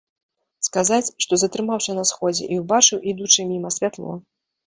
Сказаць, што затрымаўся на сходзе і ўбачыў, ідучы міма, святло.